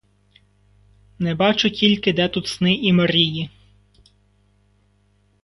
Не бачу тільки, де тут сни і мрії.